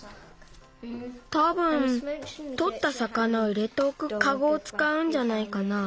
たぶんとったさかなを入れておくカゴをつかうんじゃないかな。